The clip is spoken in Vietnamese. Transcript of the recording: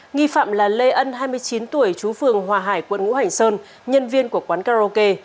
nghi phạm là lê ân hai mươi chín tuổi chú phường hòa hải quận ngũ hành sơn nhân viên của quán karaoke